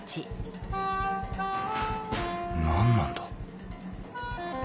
何なんだ？